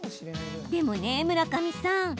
でも村上さん